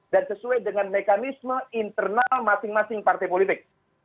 dan sesuai dengan mekanisme internal masing masing partai politik